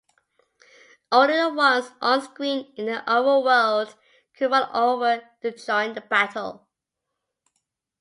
Only the ones onscreen in the overworld could run over to join the battle.